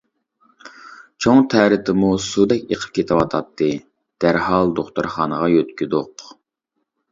چوڭ تەرىتىمۇ سۇدەك ئېقىپ كېتىۋاتاتتى. دەرھال دوختۇرخانىغا يۆتكىدۇق.